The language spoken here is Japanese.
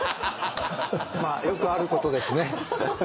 ・よくあることですね。